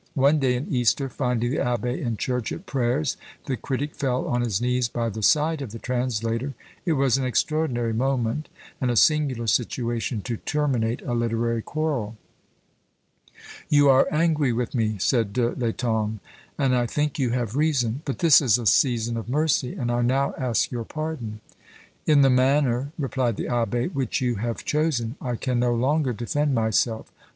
One day in Easter, finding the abbé in church at prayers, the critic fell on his knees by the side of the translator: it was an extraordinary moment, and a singular situation to terminate a literary quarrel. "You are angry with me," said De l'Etang, "and I think you have reason; but this is a season of mercy, and I now ask your pardon." "In the manner," replied the abbé, "which you have chosen, I can no longer defend myself.